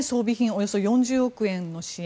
およそ４０億円の支援。